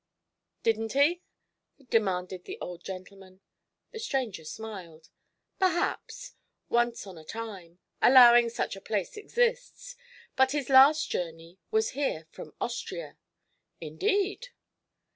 "Didn't he?" demanded the old gentleman. The stranger smiled. "Perhaps; once on a time; allowing such a place exists. But his last journey was here from Austria." "Indeed!"